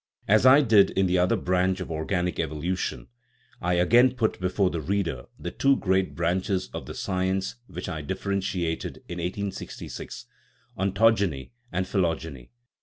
As I did in the other branch of or ganic evolution, I again put before the reader the two great branches of the science which I differentiated in 1866 ontogeny and phylogeny.